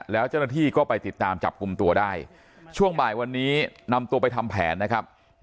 แล้วเจ้าหน้าที่ก็ไปติดตามจับกลุ่มตัวได้ช่วงบ่ายวันนี้นำตัวไปทำแผนนะครับ